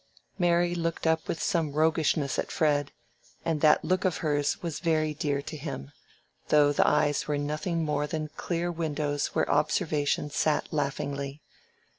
Mary looked up with some roguishness at Fred, and that look of hers was very dear to him, though the eyes were nothing more than clear windows where observation sat laughingly.